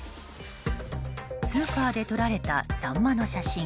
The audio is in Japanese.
スーパーで撮られたサンマの写真。